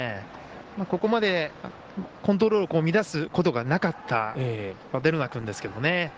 ここまでコントロールを乱すことがなかったヴァデルナ君ですけどね。